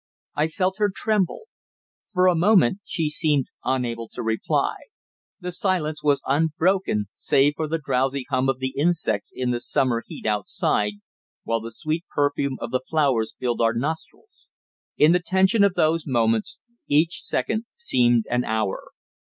I felt her tremble. For a moment she seemed unable to reply. The silence was unbroken save for the drowsy hum of the insects in the summer heat outside, while the sweet perfume of the flowers filled our nostrils. In the tension of those moments each second seemed an hour.